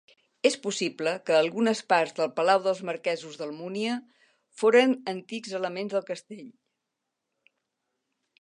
És possible que algunes parts del Palau dels Marquesos d'Almunia foren antics elements del castell.